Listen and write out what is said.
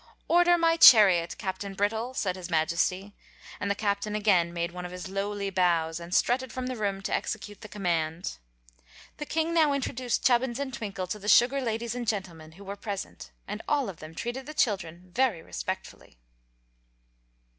"Order my chariot, Captain Brittle," said his Majesty; and the Captain again made one of his lowly bows and strutted from the room to execute the command. The king now introduced Chubbins and Twinkle to the sugar ladies and gentlemen who were present, and all of them treated the children very respectfully.